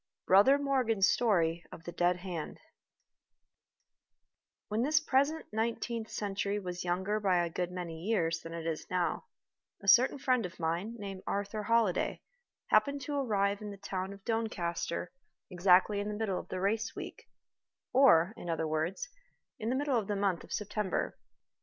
BROTHER MORGAN'S STORY of THE DEAD HAND WHEN this present nineteenth century was younger by a good many years than it is now, a certain friend of mine, named Arthur Holliday, happened to arrive in the town of Doncaster exactly in the middle of the race week, or, in other words, in the middle of the month of September.